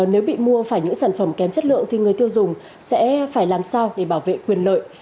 nếu bị mua phải những sản phẩm kém chất lượng thì người tiêu dùng sẽ phải làm sao để bảo vệ quyền lợi